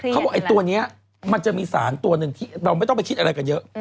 เขาบอกไอ้ตัวนี้มันจะมีสารตัวหนึ่งที่เราไม่ต้องไปคิดอะไรกันเยอะ